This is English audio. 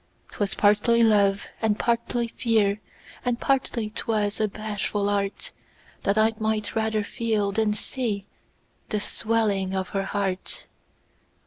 'Twas partly love, and partly fear. And partly 'twas a bashful artThat I might rather feel, than see, The swelling of her heart.